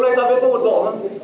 trong đây ta viết bộ một bộ không